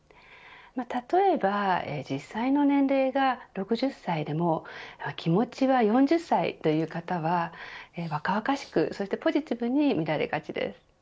例えば、実際の年齢が６０歳でも気持ちは４０歳という方は若々しくそしてポジティブに見られがちです。